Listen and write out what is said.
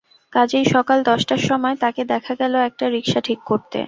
কাজেই সকাল দশটার সময় তাঁকে দেখা গেল একটা রিকশা ঠিক করতে।